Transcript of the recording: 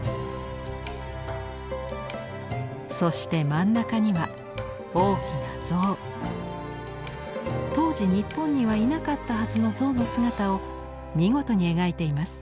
そして真ん中には大きな象。当時日本にはいなかったはずの象の姿を見事に描いています。